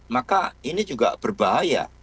maka ini juga berbahaya